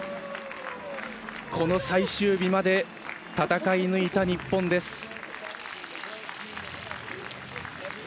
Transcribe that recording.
この最終日まで戦い抜いた日本です。